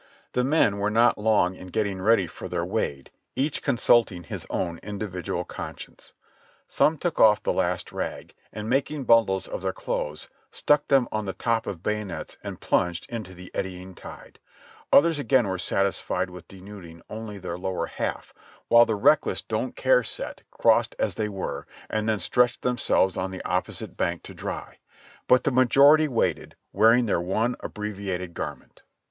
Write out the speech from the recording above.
The men were not long in getting ready for their wade, each consulting his own individual conscience ; some took ofif the last rag, and making bundles of their clothes stuck them on the top of bayonets and plunged into the eddying tide ; others again were satisfied with denuding only their lower half, while the reckless, don't care set crossed as they were, and then stretched them selves on the opposite bank to dry ; but the majority waded, wearing their one abbreviated garment.